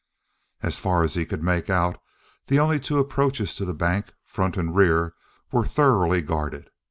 As far as he could make out, the only two approaches to the bank, front and rear, were thoroughly guarded.